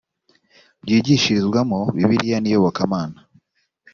byigishirizwamo bibiliya n iyobokamana